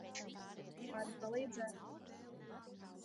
Vari palīdzēt?